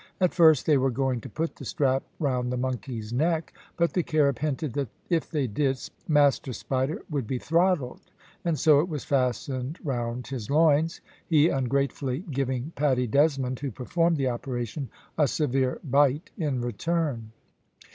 At first they were going to put the strap round the monkey's neck; but the Carib hinted that if they did, Master Spider would be throttled, and so it was fastened round his loins, he ungratefully giving Paddy Desmond, who performed the operation, a severe bite in return.